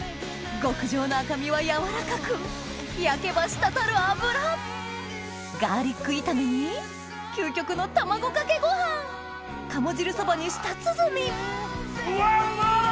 極上の赤身は柔らかく焼けば滴る脂ガーリック炒めに究極の卵かけご飯鴨汁そばに舌鼓うわうまっ！